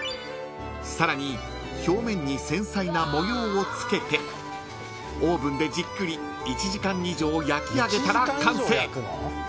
［さらに表面に繊細な模様をつけてオーブンでじっくり１時間以上焼き上げたら完成］